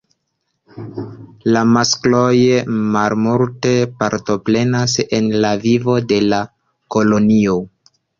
La maskloj malmulte partoprenas en la vivo de la kolonio.